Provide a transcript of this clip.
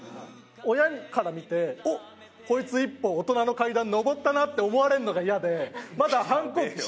親から見て「おっ！こいつ一歩大人の階段上ったな」って思われるのがイヤで。